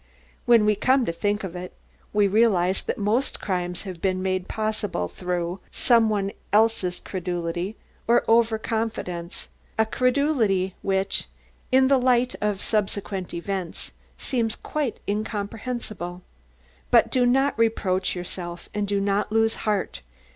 When we come to think of it, we realise that most crimes have been made possible through some one's credulity, or over confidence, a credulity which, in the light of subsequent events, seems quite incomprehensible. Do not reproach yourself and do not lose heart.